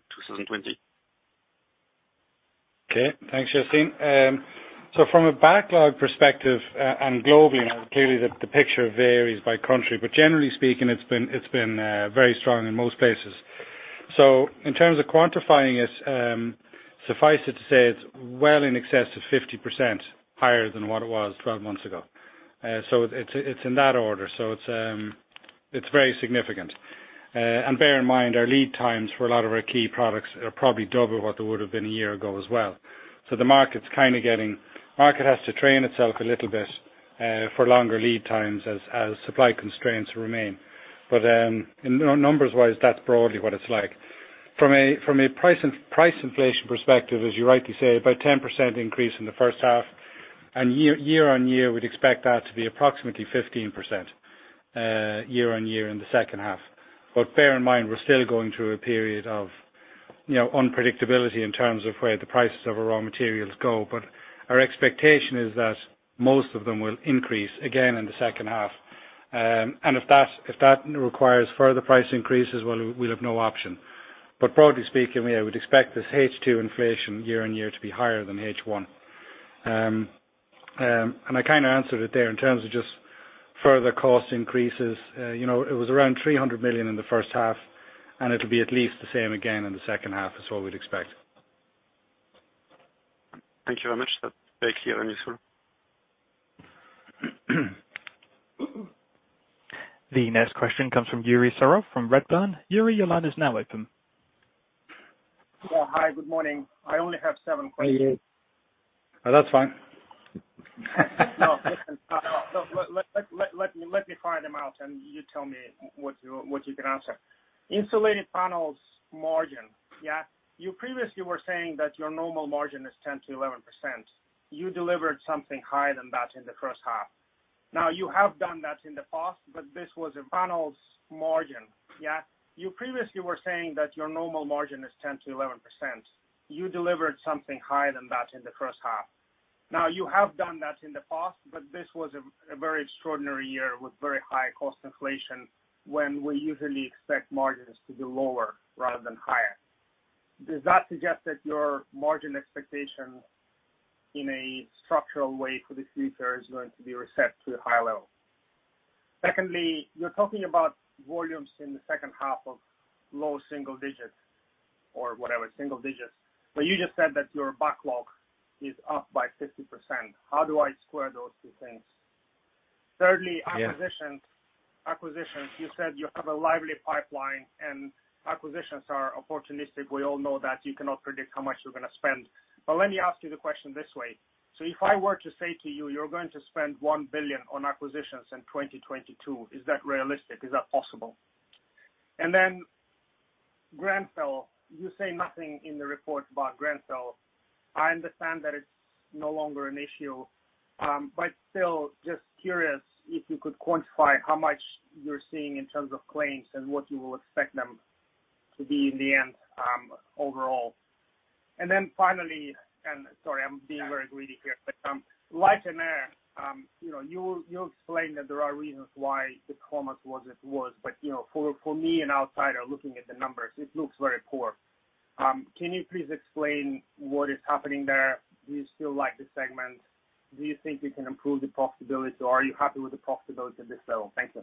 S11: 2020?
S2: Okay. Thanks, Yassine. From a backlog perspective and globally, now clearly the picture varies by country, but generally speaking, it's been very strong in most places. In terms of quantifying it, suffice it to say, it's well in excess of 50% higher than what it was 12 months ago. It's in that order. It's very significant. Bear in mind, our lead times for a lot of our key products are probably double what they would have been a year ago as well. The market has to train itself a little bit for longer lead times as supply constraints remain. Numbers wise, that's broadly what it's like. From a price inflation perspective, as you rightly say, about 10% increase in the first half, and year-on-year, we'd expect that to be approximately 15% year-on-year in the second half. Bear in mind, we're still going through a period of unpredictability in terms of where the prices of our raw materials go. Our expectation is that most of them will increase again in the second half. If that requires further price increases, well, we'll have no option. Broadly speaking, yeah, I would expect this H2 inflation year-on-year to be higher than H1. I kind of answered it there in terms of just further cost increases. It was around 300 million in the first half, and it'll be at least the same again in the second half is what we'd expect.
S11: Thank you very much. That's very clear and useful.
S1: The next question comes from Yuri Serov from Redburn. Yuri, your line is now open.
S12: Yeah. Hi, good morning. I only have seven questions.
S2: Oh, that's fine.
S12: No. Listen, let me fire them out, and you tell me what you can answer. Insulated Panels margin. You previously were saying that your normal margin is 10%-11%. You delivered something higher than that in the first half. You have done that in the past, but this was a very extraordinary year with very high cost inflation when we usually expect margins to be lower rather than higher. Does that suggest that your margin expectation in a structural way for the future is going to be reset to a higher level? Secondly, you're talking about volumes in the second half of low single digits or whatever, single digits. You just said that your backlog is up by 50%. How do I square those two things? Thirdly-
S2: Yeah.
S12: Acquisitions. You said you have a lively pipeline and acquisitions are opportunistic. We all know that you cannot predict how much you're going to spend. Let me ask you the question this way. If I were to say to you're going to spend $1 billion on acquisitions in 2022, is that realistic? Is that possible? Grenfell, you say nothing in the report about Grenfell. I understand that it's no longer an issue, but still just curious if you could quantify how much you're seeing in terms of claims and what you would expect them to be in the end overall. Finally, sorry, I'm being very greedy here, Light & Air, you explained that there are reasons why the commerce was as it was. For me, an outsider looking at the numbers, it looks very poor. Can you please explain what is happening there? Do you still like the segment? Do you think you can improve the profitability or are you happy with the profitability at this level? Thank you.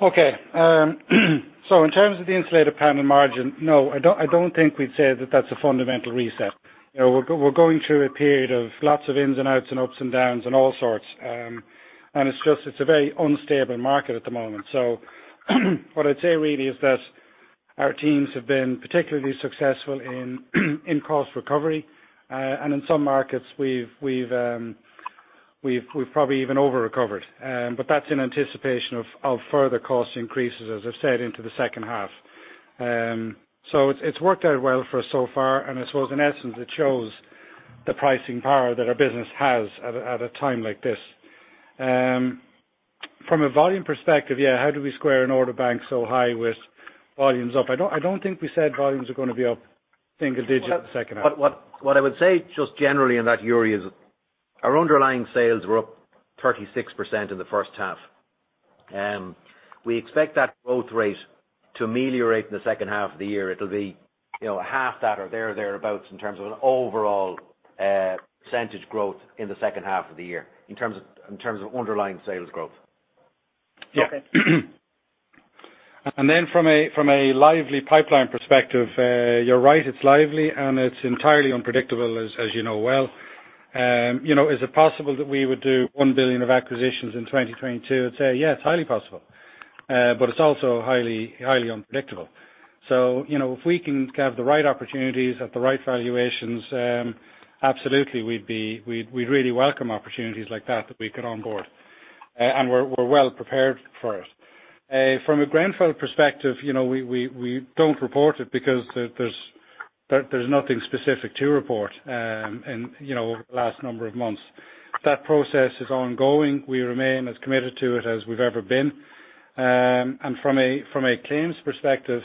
S2: Okay. In terms of the Insulated Panels margin, no, I don't think we'd say that that's a fundamental reset. We're going through a period of lots of ins and outs and ups and downs and all sorts. It's a very unstable market at the moment. What I'd say is that our teams have been particularly successful in cost recovery. In some markets we've probably even over-recovered. That's in anticipation of further cost increases, as I said, into the second half. It's worked out well for us so far, and I suppose in essence, it shows the pricing power that our business has at a time like this. From a volume perspective, how do we square an order bank so high with volumes up? I don't think we said volumes are going to be up single-digit the second half.
S4: What I would say just generally on that, Yuri, is our underlying sales were up 36% in the first half. We expect that growth rate to ameliorate in the second half of the year. It'll be half that or thereabouts in terms of an overall percentage growth in the second half of the year, in terms of underlying sales growth.
S2: Yeah.
S12: Okay.
S2: From a lively pipeline perspective, you're right, it's lively, and it's entirely unpredictable, as you know well. Is it possible that we would do 1 billion of acquisitions in 2022? I'd say, yeah, it's highly possible, but it's also highly unpredictable. If we can have the right opportunities at the right valuations, absolutely, we'd really welcome opportunities like that we could onboard. We're well prepared for it. From a Grenfell perspective, we don't report it because there's nothing specific to report in the last number of months. That process is ongoing. We remain as committed to it as we've ever been. From a claims perspective,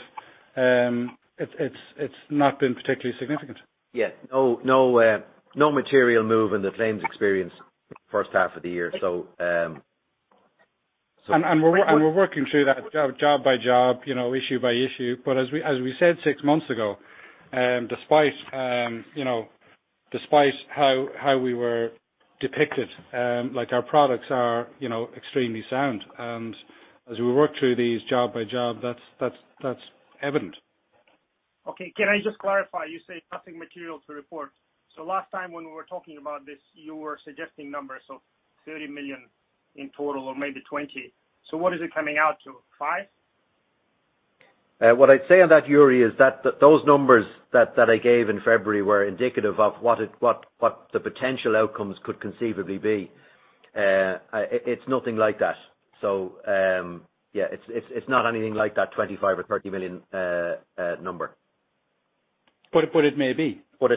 S2: it's not been particularly significant.
S4: No material move in the claims experience first half of the year.
S2: We're working through that job by job, issue by issue. As we said six months ago, despite how we were depicted, our products are extremely sound. As we work through these job by job, that's evident.
S12: Okay, can I just clarify? You say nothing material to report. Last time when we were talking about this, you were suggesting numbers of 30 million in total or maybe 20. What is it coming out to? 5?
S4: What I'd say on that, Yuri, is that those numbers that I gave in February were indicative of what the potential outcomes could conceivably be. It's nothing like that. Yeah, it's not anything like that EUR 25 million or EUR 30 million number.
S2: It may be.
S4: Yeah.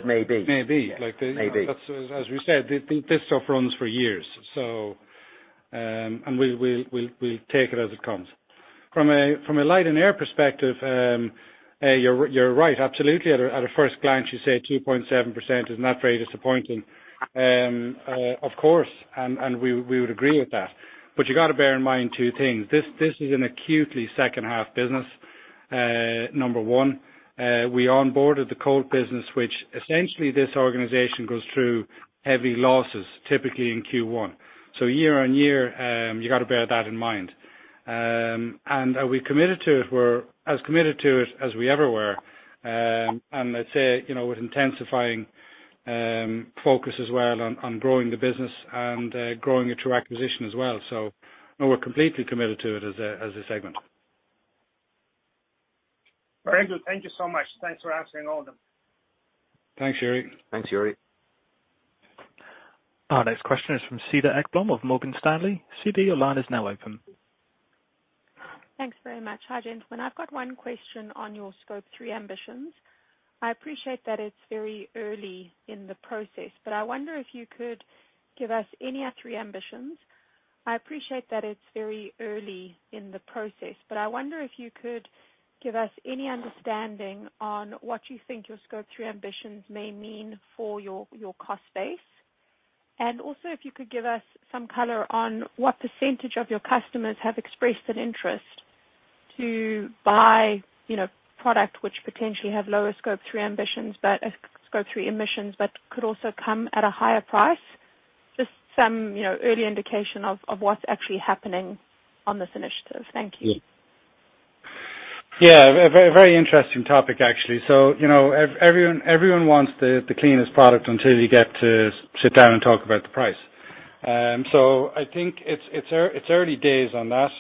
S4: May be.
S2: As we said, this stuff runs for years. We'll take it as it comes. From a Light & Air perspective, you're right, absolutely. At a first glance, you say 2.7% is not very disappointing. Of course, we would agree with that. You got to bear in mind two things. This is an acutely second half business, number one. We onboarded the Colt Group, which essentially this organization goes through heavy losses, typically in Q1. Year-over-year, you got to bear that in mind. Are we committed to it? We're as committed to it as we ever were. Let's say, with intensifying focus as well on growing the business and growing it through acquisition as well. We're completely committed to it as a segment.
S12: Very good. Thank you so much. Thanks for answering all them.
S2: Thanks, Yuri.
S4: Thanks, Yuri.
S1: Our next question is from Cedar Ekblom of Morgan Stanley. Cedar, your line is now open.
S13: Thanks very much. Hi, gentlemen. I've got one question on your Scope 3 ambitions. I appreciate that it's very early in the process, but I wonder if you could give us any understanding on what you think your Scope 3 ambitions may mean for your cost base. Also, if you could give us some color on what percentage of your customers have expressed an interest to buy product which potentially have lower Scope 3 emissions, but could also come at a higher price. Just some early indication of what's actually happening on this initiative. Thank you.
S2: Yeah. A very interesting topic, actually. Everyone wants the cleanest product until you get to sit down and talk about the price. I think it's early days on that.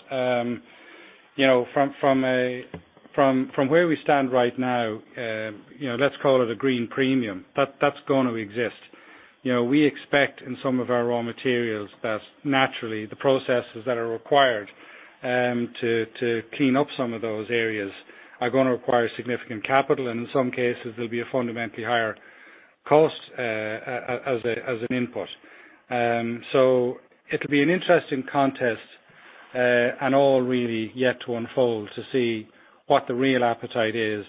S2: From where we stand right now, let's call it a green premium. That's going to exist. We expect in some of our raw materials that naturally the processes that are required to clean up some of those areas are going to require significant capital, and in some cases, there'll be a fundamentally higher cost as an input. It'll be an interesting contest, and all really yet to unfold to see what the real appetite is,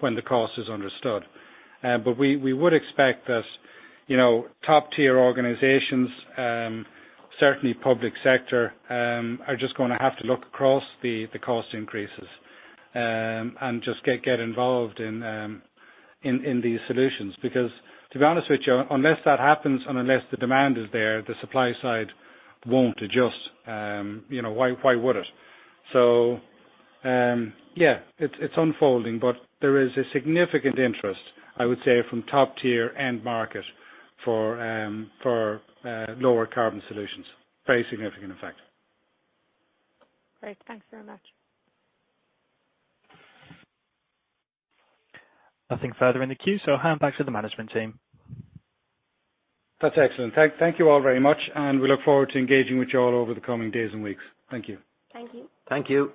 S2: when the cost is understood. We would expect that top tier organizations, certainly public sector, are just going to have to look across the cost increases, and just get involved in these solutions. To be honest with you, unless that happens and unless the demand is there, the supply side won't adjust. Why would it? Yeah. It's unfolding, but there is a significant interest, I would say, from top tier end market for lower carbon solutions. Very significant, in fact.
S13: Great. Thanks very much.
S1: Nothing further in the queue, so I'll hand back to the management team.
S2: That's excellent. Thank you all very much. We look forward to engaging with you all over the coming days and weeks. Thank you.
S3: Thank you.
S4: Thank you.